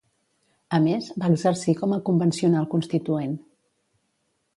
A més, va exercir com a Convencional Constituent.